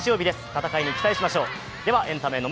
戦いに期待しましょう。